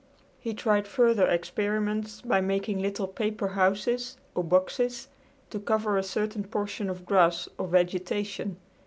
He tried further experiments by making little paper houses, or boxes, to cover a certain portion of grass or vegetation.